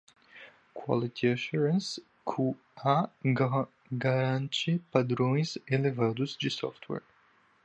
Quality Assurance (QA) garante padrões elevados de software.